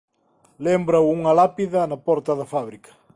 Lémbrao unha lápida na porta da fábrica.